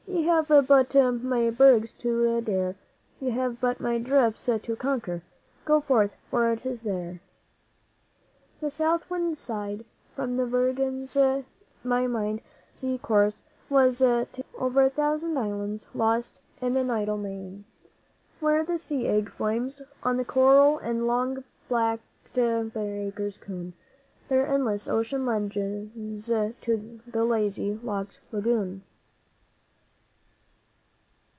Ye have but my bergs to dare, Ye have but my drifts to conquer. Go forth, for it is there!' The South Wind sighed: 'From the Virgins my mid sea course was ta'en Over a thousand islands lost in an idle main, Where the sea egg flames on the coral and the long backed breakers croon Their endless ocean legends to the lazy, locked lagoon.